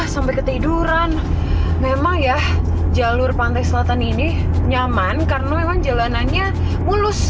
sampai ketiduran memang ya jalur pantai selatan ini nyaman karena memang jalanannya mulus